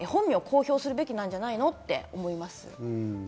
本名を公表するべきなんじゃないの？って思います。